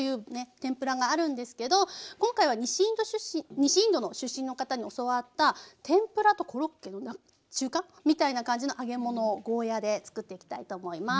天ぷらがあるんですけど今回は西インドの出身の方に教わった天ぷらとコロッケの中間？みたいな感じの揚げ物をゴーヤーで作っていきたいと思います。